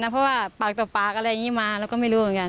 เพราะปากต่อปากอะไรอย่างนี้มาเหมือนกันไม่รู้